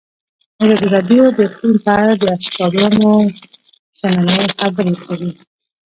ازادي راډیو د اقلیم په اړه د استادانو شننې خپرې کړي.